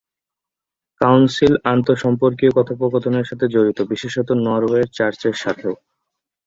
Council আন্তঃসম্পর্কীয় কথোপকথনের সাথে জড়িত, বিশেষত নরওয়ের চার্চের সাথেও।